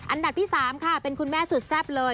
อันดับที่๓ค่ะเป็นคุณแม่สุดแซ่บเลย